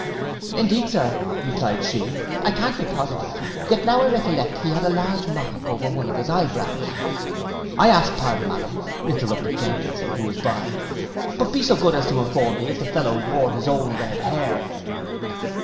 'Indeed, Sir,' replied she, 'I can't be positive; yet now I recollect he had a large mark over one of his eye brows.' 'I ask pardon, madam,' interrupted Jenkinson, who was by, 'but be so good as to inform me if the fellow wore his own red hair?